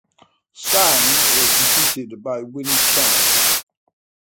Tsang was defeated by Winnie Chan.